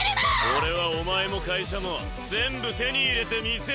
俺はお前も会社も全部手に入れてみせるぞ。